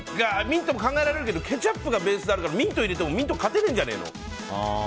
ミントも考えられるけどケチャップがベースだからミントは勝てないんじゃねえの？